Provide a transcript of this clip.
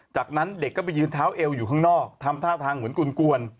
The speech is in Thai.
จากนั้นเด็กก็ไปยืนเท้าเอวอยู่ข้างนอกทำท่าทางเหมือนกลวน